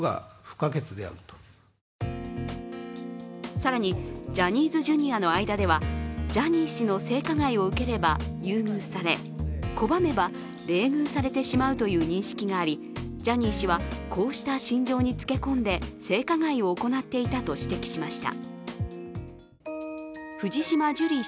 更にジャニーズＪｒ．の間ではジャニー氏の性加害を受ければ優遇され拒めば冷遇されてしまうという認識がありジャニー氏はこうした心情につけ込んで性加害を行っていたと指摘しました。